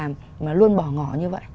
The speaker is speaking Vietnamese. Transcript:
mà luôn bỏ ngỏ như vậy